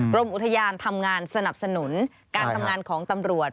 กรมอุทยานทำงานสนับสนุนการทำงานของตำรวจ